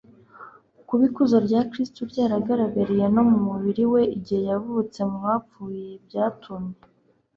kuba ikuzo rya kristu ryaragaragariye no mu mubiri we, igihe yazutse mu bapfuye, byatumye